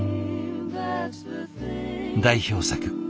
代表作